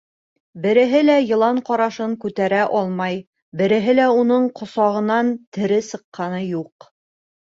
Береһе лә йылан ҡарашын күтәрә алмай, береһе лә уның ҡосағынан тере сыҡҡаны юҡ.